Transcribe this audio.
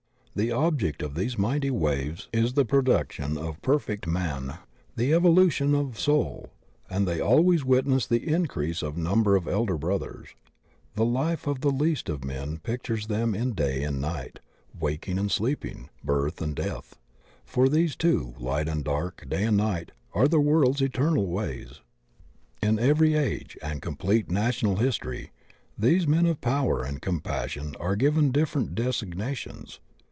The object of these mighty waves is the production of perfect man, the evolution of soul, and they always witness the increase of the num ber of Elder Brothers; the life of the least of men pictures them in day and night, waking and sleeping, birth and death, "for these two, light and dark, day and night, are the world's eternal ways."* In every age and complete national history these men of power and compassion are given different des ignations.